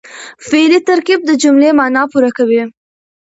فعلي ترکیب د جملې مانا پوره کوي.